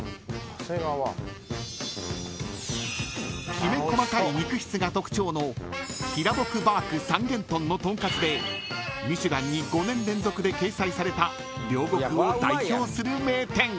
［きめ細かい肉質が特徴の平牧バーク三元豚のトンカツで『ミシュラン』に５年連続で掲載された両国を代表する名店］